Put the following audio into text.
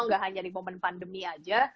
nggak hanya di momen pandemi aja